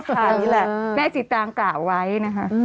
คราวนี้แหละแม่จิตางกล่าวไว้นะคะ